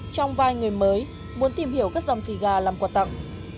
trong vai người mới muốn tìm hiểu các dòng siga làm quà tặng